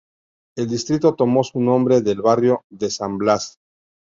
El distrito tomó su nombre del barrio de San Blas.